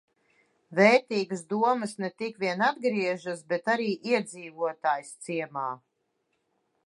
V?rt?g?s domas ne tikvien atgriez?s, bet ar? iedz?voj?s ciem?.